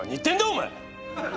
お前！